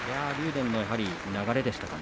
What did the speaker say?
電の流れでしたか？